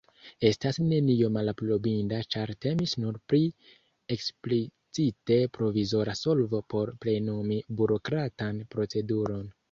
Estas nenio malaprobinda, ĉar temis nur pri eksplicite provizora solvo por plenumi burokratan proceduron.